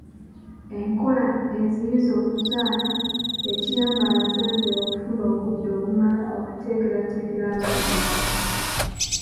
Enkola eziyiza okuzaala ekiyamba abazadde okufuna obudde obumala okuteekerateekera abaana baabwe.